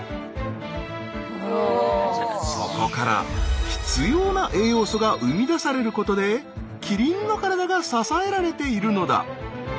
そこから必要な栄養素が生み出されることでキリンの体が支えられているのだ。